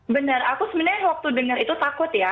benar aku sebenarnya waktu dengar itu takut ya